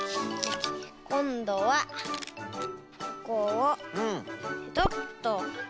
こんどはここをペトッと。